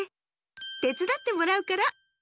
てつだってもらうから。